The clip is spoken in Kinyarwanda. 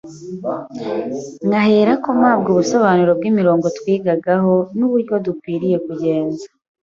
nkaherako mpabwa ubusobanuro bw’imirongo twigagaho n’uburyo dukwiriye kugenza